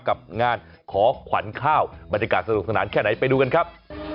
กับงานขอขวัญข้าวบรรยากาศสนุกสนานแค่ไหนไปดูกันครับ